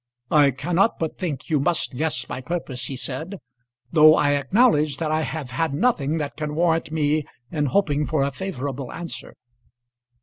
"I cannot but think you must guess my purpose," he said, "though I acknowledge that I have had nothing that can warrant me in hoping for a favourable answer.